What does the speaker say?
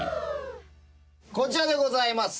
こちらでございます。